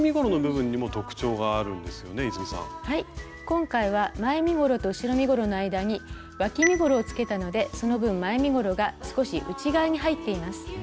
今回は前身ごろと後ろ身ごろの間にわき身ごろをつけたのでその分前身ごろが少し内側に入っています。